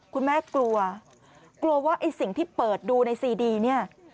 กลัวกลัวว่าไอ้สิ่งที่เปิดดูในซีดีเนี่ย